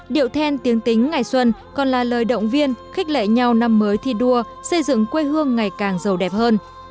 điệu then tiếng tính ngày xuân còn là lời động viên khích lệ nhau năm mới thi đua xây dựng quê hương ngày càng giàu đẹp hơn